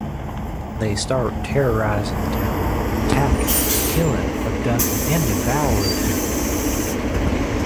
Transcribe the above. They start terrorizing the town, attacking, killing, abducting and devouring people.